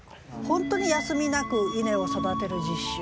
本当に休みなく稲を育てる実習